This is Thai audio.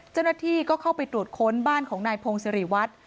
เจ้าหน้าที่ก็เข้าไปตรวจค้นบ้านของนายพงศิริวัตร